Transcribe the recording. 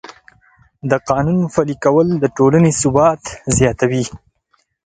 د قانون پلي کول د ټولنې ثبات زیاتوي.